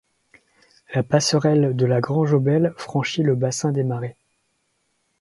La passerelle de la Grange-aux-Belles franchit le bassin des Marais.